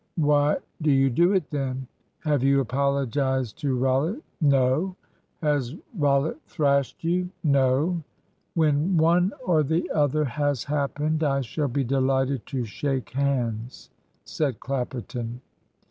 "Why do you do it, then?" "Have you apologised to Rollitt?" "No." "Has Rollitt thrashed you?" "No." "When one or the other has happened, I shall be delighted to shake hands," said Clapperton.